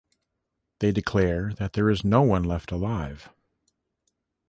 They declare that there is no one left alive.